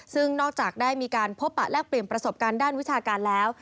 ซึ่งนอกจากได้มีการพบปะแลกเปลี่ยนประสบการณ์ด้านวิชาการแล้ว